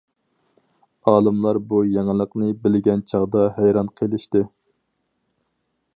ئالىملار بۇ يېڭىلىقنى بىلگەن چاغدا ھەيران قېلىشتى.